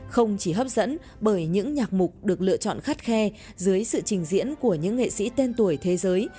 không chỉ hấp dẫn bởi những nhạc mục được lựa chọn khắt khe dưới sự trình diễn của những nghệ sĩ tên tuổi thế giới